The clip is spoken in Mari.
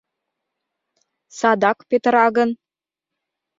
Садак петыра гын?